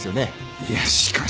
いやしかし。